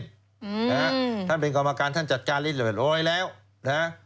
นะฮะท่านเป็นกรรมการท่านจัดการเรื่อยแล้วนะฮะ